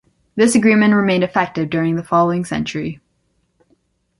This agreement remained effective during the following century.